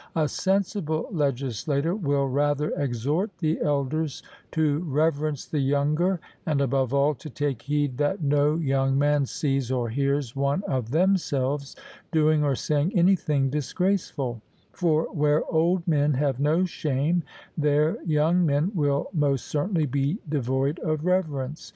A sensible legislator will rather exhort the elders to reverence the younger, and above all to take heed that no young man sees or hears one of themselves doing or saying anything disgraceful; for where old men have no shame, there young men will most certainly be devoid of reverence.